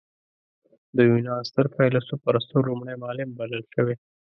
د یونان ستر فیلسوف ارسطو لومړی معلم بلل شوی.